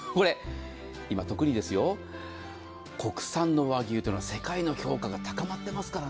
今、特に国産の和牛というのは世界の評価が高まってますからね。